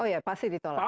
oh ya pasti ditolak